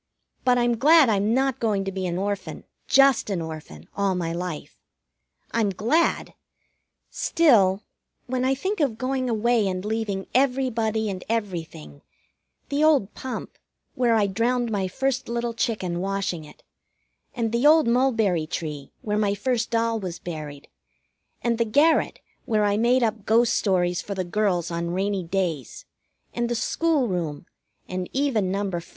But I'm glad I'm not going to be an orphan, just an orphan, all my life. I'm glad; still, when I think of going away and leaving everybody and everything: the old pump, where I drowned my first little chicken washing it; and the old mulberry tree, where my first doll was buried; and the garret, where I made up ghost stories for the girls on rainy days; and the school room; and even No.